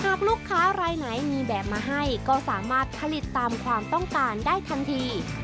หากลูกค้ารายไหนมีแบบมาให้ก็สามารถผลิตตามความต้องการได้ทันที